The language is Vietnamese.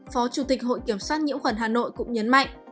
phó chủ tịch hội kiểm soát nhiễm khuẩn hà nội cũng nhấn mạnh